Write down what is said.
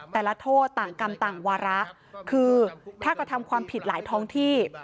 แต่ละโทษต่างกรรมต่างวาระคือถ้ากระทำความผิดหลายท้องที่